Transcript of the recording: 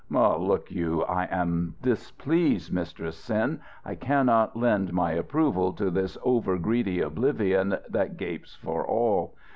"Hoh, look you, I am displeased, Mistress Cyn, I cannot lend my approval to this over greedy oblivion that gapes for all.